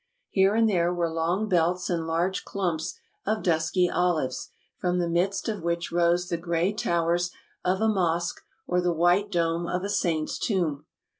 Here and there were long belts and large clumps of dusky olives, from the midst of which rose the gray towers of a mosque or the white dome of a saint's tomb.